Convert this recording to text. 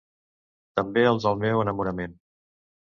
També el del meu enamorament.